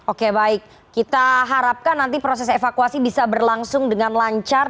oke baik kita harapkan nanti proses evakuasi bisa berlangsung dengan lancar